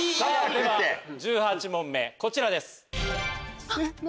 １８問目こちらです。